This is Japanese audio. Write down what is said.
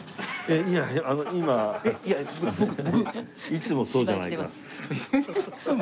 「いつもそうじゃないか」。